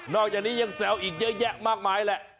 อกจากนี้ยังแซวอีกเยอะแยะมากมายแหละ